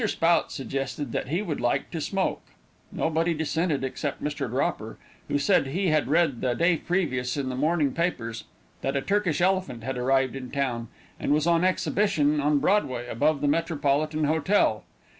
Spout suggested that he would like to smoke. Nobody dissented except Mr. Dropper, who said he had read the day previous, in the morning papers, that a Turkish elephant had arrived in town, and was on exhibition on Broadway, above the Metropolitan Hotel.